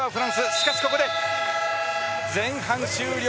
しかしここで前半終了。